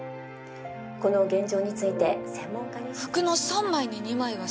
この現状について専門家に」。